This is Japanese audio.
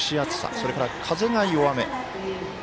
それから風が弱め。